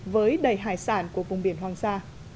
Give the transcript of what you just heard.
với đầy hải sản của vùng biển hoàng sa